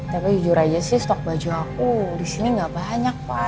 tapi jujur aja sih stok baju aku di sini nggak banyak pak